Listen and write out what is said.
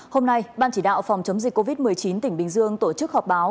hôm nay ban chỉ đạo phòng chống dịch covid một mươi chín tỉnh bình dương tổ chức họp báo